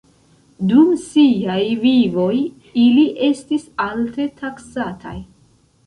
Dum siaj vivoj, ili estis alte taksataj.